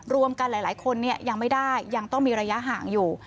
รวมกันหลายคนยังไม่ได้ยังต้องมีระยะห่างอยู่